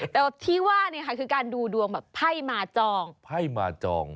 แต่ว่าที่ว่าคือการดูดวงภัยมาจอง